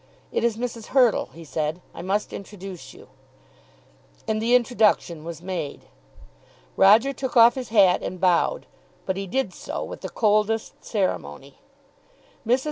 "It is Mrs. Hurtle," he said, "I must introduce you," and the introduction was made. Roger took off his hat and bowed, but he did so with the coldest ceremony. Mrs.